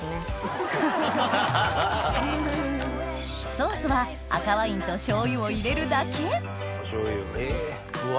ソースは赤ワインと醤油を入れるだけうわ